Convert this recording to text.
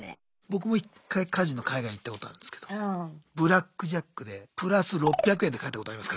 僕も１回カジノ海外行ったことあるんですけどブラックジャックでプラス６００円で帰ったことありますからね。